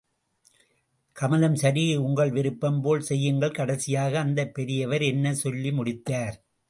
கமலம் சரி உங்கள் விருப்பம்போல் செய்யுங்கள், கடைசியாக அந்தப் பெரியவர் என்ன சொல்லி முடித்தார்?